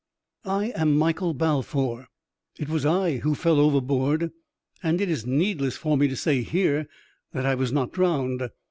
I am Michael Balfour ; I it was who fell overboard ; and it is needless for me to say here that I was Tiot drowned.